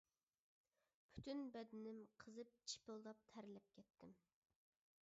پۈتۈن بەدىنىم قىزىپ چىپىلداپ تەرلەپ كەتتىم.